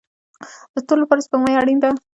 د ستورو لپاره سپوږمۍ اړین ده